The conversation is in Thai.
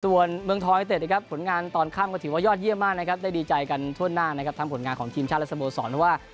ส่วนเมืองทอยเต็ดนะครับผลงานตอนค่ำก็ถือว่ายอดเยี่ยมมากนะครับได้ดีใจกันทั่วหน้านะครับทั้งผลงานของทีมชาติและสโมสรว่า